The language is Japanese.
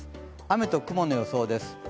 雨と雲の予想です。